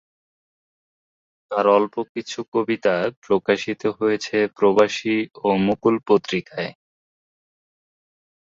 তার অল্প কিছু কবিতা প্রকাশিত হয়েছে "প্রবাসী" ও "মুকুল" পত্রিকায়।